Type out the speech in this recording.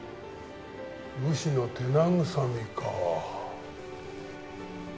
武士の手慰みか。